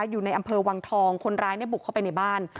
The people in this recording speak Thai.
อยู่ในอำเภอวังทองคนร้ายบุกเข้าไปในบ้าน